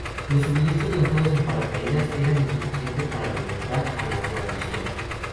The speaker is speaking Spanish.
Los suministros lanzados en paracaídas eran insuficientes para alimentar a la guarnición.